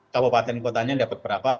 kaupaten kotanya dapat berapa